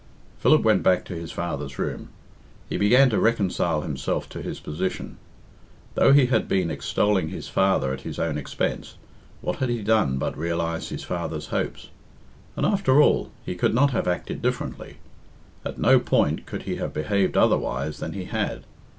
Philip went back to his father's room. He began to reconcile himself to his position. Though he had been extolling his father at his own expense, what had he done but realise his father's hopes. And, after all, he could not have acted differently. At no point could he have behaved otherwise than he had.